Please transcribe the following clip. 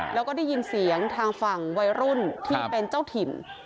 แล้วก็ได้ยินเสียงทางฝั่งวัยรุ่นที่เป็นเจ้าถิ่น